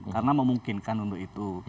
karena memungkinkan untuk itu